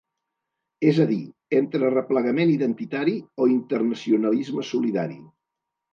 És a dir, entre replegament identitari o internacionalisme solidari.